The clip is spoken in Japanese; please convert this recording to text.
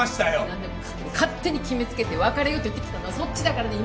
なんでもかんでも勝手に決めつけて別れようって言ってきたのはそっちだからね。